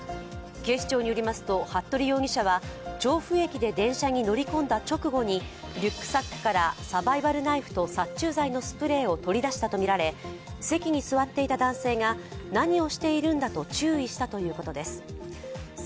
警視庁によりますと服部容疑者は調布駅で電車に乗り込んだ直後にリュックサックからサバイバルナイフと殺虫剤のスプレーを取り出したとみられ席に座っていた男性が何をしているんだと注意したということです。